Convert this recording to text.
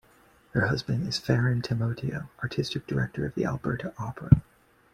Her husband is Farren Timoteo, Artistic Director of the Alberta Opera.